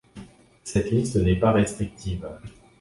Cette liste n'est pas restrictive.